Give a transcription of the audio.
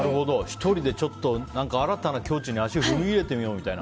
１人で、新たな境地に踏み入れてみようみたいな。